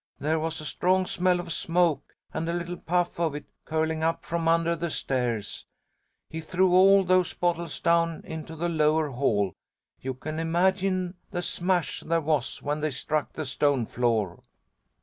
There was a strong smell of smoke and a little puff of it curling up from under the stairs. He threw all those bottles down into the lower hall. You can imagine the smash there was when they struck the stone floor.